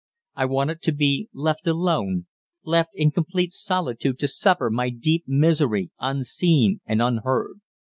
I wanted to be left alone, left in complete solitude to suffer my deep misery unseen and unheard.